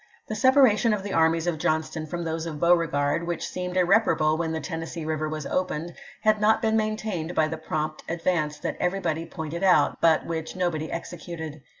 The separation of the armies of Johnston from those of Beauregard, which seemed iiTeparable when the Tennessee Eiver was opened, had not been maintained by the prompt advance that everybody pointed out, but which nobody executed.